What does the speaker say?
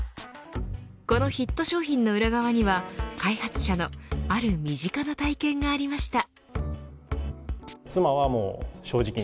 このヒット商品の裏側には開発者のある身近な体験がありました。